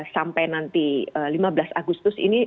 sampai nanti lima belas agustus ini